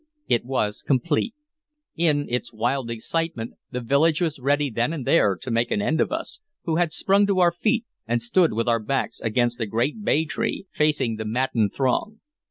It was complete. In its wild excitement the village was ready then and there to make an end of us who had sprung to our feet and stood with our backs against a great bay tree, facing the maddened throng.